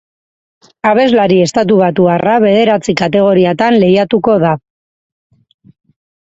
Abeslari estatubatuarra bederatzi kategoriatan lehiatuko da.